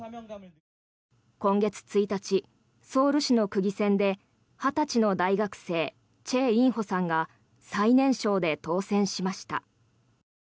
今月１日、ソウル市の区議選で２０歳の大学生チェ・インホさんが最年少で当選しました。